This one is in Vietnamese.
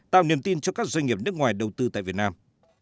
tạo niềm tin cho các doanh nghiệp nước ngoài đầu tư tại việt nam